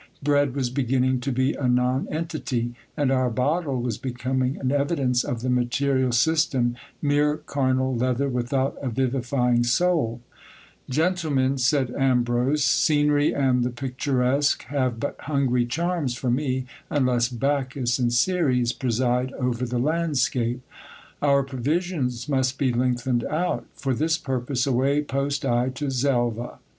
Bread was beginning to be a nonentity ; and our bottle was becoming an evidence of the material system, mere carnal leather without a vivifying souL Gentlemen, said Ambrose, scenery and the picturesque have but hungry charms for me, unless Bacchus and Ceres preside over the landscape Our provisions must be lengthened out. For this purpose, away post I to Xelva.